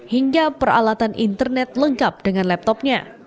hingga peralatan internet lengkap dengan laptopnya